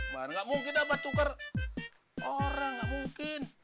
gak mungkin abah tukar orang gak mungkin